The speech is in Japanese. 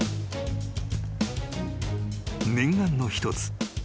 ［念願の一つ。